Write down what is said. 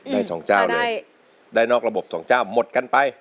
ได้สองเจ้าเลยได้นอกระบบสองเจ้าหมดกันไป